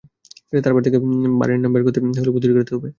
তাঁর পেট থেকে বারের নাম বের করতে হলে বুদ্ধি খাটাতে হবে।